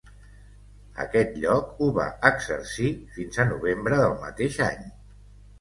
Aquest lloc ho va exercir fins a novembre del mateix any.